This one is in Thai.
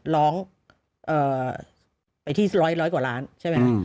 ร้องไปที่ร้อยกว่าล้านใช่ไหมฮะ